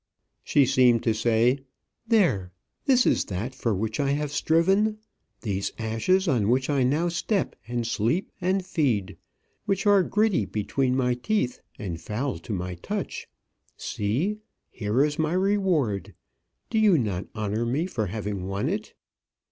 She seemed to say, "There this is that for which I have striven these ashes on which I now step, and sleep, and feed, which are gritty between my teeth, and foul to my touch! See, here is my reward! Do you not honour me for having won it?"